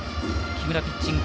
木村ピッチング